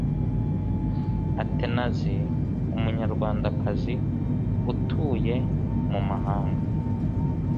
athenasie umunyarwandakazi utuye mumahanga